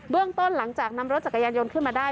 ต้นหลังจากนำรถจักรยานยนต์ขึ้นมาได้